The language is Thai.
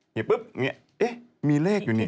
นี่ปุ๊บมีเลขอยู่นี่